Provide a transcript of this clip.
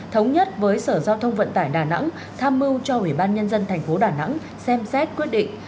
thống nhất với sở giao thông vận tải đà nẵng tham mưu cho ủy ban nhân dân tp đà nẵng xem xét quyết định